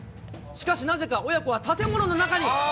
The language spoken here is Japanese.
しかしなぜか母娘は建物の中に。